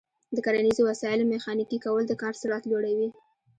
د کرنیزو وسایلو میخانیکي کول د کار سرعت لوړوي.